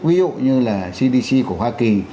ví dụ như là cdc của hoa kỳ